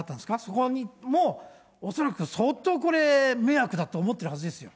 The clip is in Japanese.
そこも相当これ、迷惑だと思ってるはずですよ。